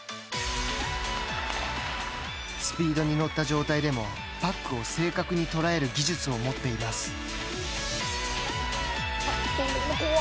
スピードに乗った状態でもパックを正確に捉える技術を持っています。